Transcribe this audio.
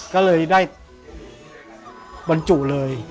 ก็เลยได้บรรจุเลย